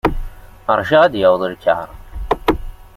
Rjiɣ ad d-yaweḍ lkar.